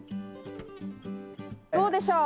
どうでしょう？